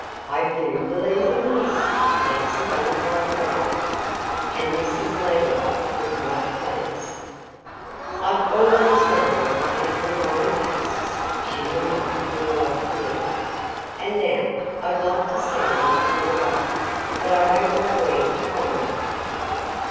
"I do believe it is!" Betsy Butterfly cried. And Mrs. Ladybug looked much pleased. "I've always known I had refined tastes," she remarked with a lofty air. "And now I'd like to sample a bit of butter; but I don't know where to find any."